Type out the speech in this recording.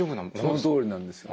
そのとおりなんですよね。